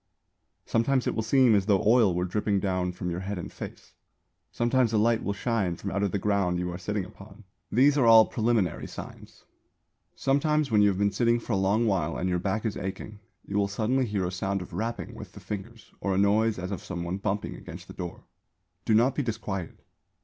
Sometimes it will seem as though oil were dripping down from your head and face; sometimes a light will shine from out of the ground you are sitting upon. These are all preliminary signs. Sometimes when you have been sitting for a long while and your back is aching, you will suddenly hear a sound of rapping with the fingers or a noise as of some one bumping against the door. Do not be disquieted.